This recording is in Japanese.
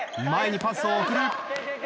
前にパスを送る。